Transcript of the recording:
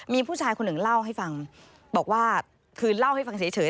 มีผู้ชายคนหนึ่งเล่าให้ฟังบอกว่าคือเล่าให้ฟังเฉย